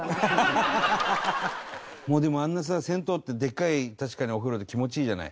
もうでもあんなさ銭湯ってでっかいお風呂で気持ちいいじゃない？